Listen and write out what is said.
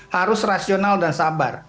harus rasional dan sabar